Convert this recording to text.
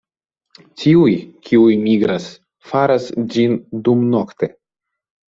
Tiuj kiuj migras faras ĝin dumnokte.